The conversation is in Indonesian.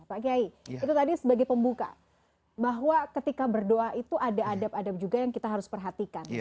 pak kiai itu tadi sebagai pembuka bahwa ketika berdoa itu ada adab adab juga yang kita harus perhatikan